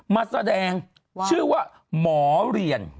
มาแสดงชื่อว่าหมอเรียน